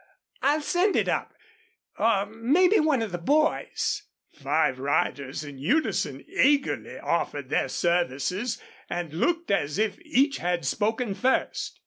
I'll send it up or mebbe one of the boys " Five riders in unison eagerly offered their services and looked as if each had spoken first.